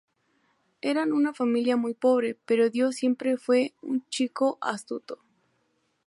Eran una familia muy pobre, pero Dio siempre fue un chico astuto.